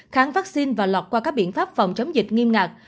kháng vaccine và lọt qua các biện pháp phòng chống dịch nghiêm ngạc